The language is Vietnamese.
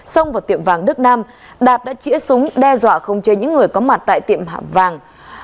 xông vào tiệm vang đức nam đạt đã chỉa súng đe dọa không chê những người có mặt tại tiệm hạm vang